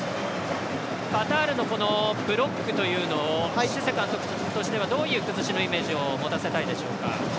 カタールのブロックというのをシセ監督としてはどういう崩しのイメージを持たせたいでしょうか。